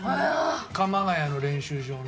鎌ケ谷の練習場の。